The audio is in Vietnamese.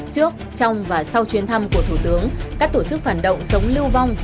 trước trong và sau chuyến thăm của thủ tướng các tổ chức phản động sống lưu vong